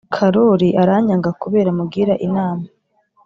karori aranyanga kubera mugira inama